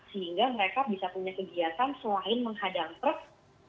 sehingga mereka bisa punya kegiatan selain menghadang truk